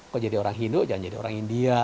kok jadi orang hindu jangan jadi orang india